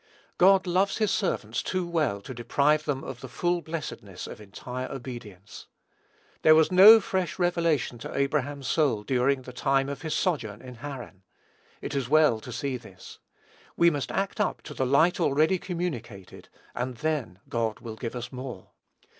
God loves his servants too well to deprive them of the full blessedness of entire obedience. There was no fresh revelation to Abraham's soul during the time of his sojourn in Haran. It is well to see this. We must act up to the light already communicated, and then God will give us more.